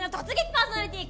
パーソナリティー